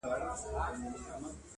• چي پر شرع او قانون ده برابره -